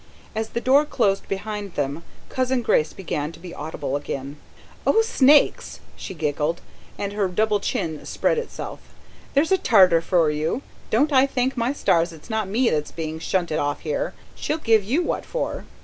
As the door closed behind them Cousin Grace began to be audible again. "Oh, snakes!" she giggled, and her double chin spread itself "There's a Tartar for you! Don't I thank my stars it's not me that's being shunted off here! She'll give you what for."